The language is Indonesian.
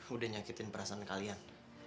udah nyakitin perasaan kalian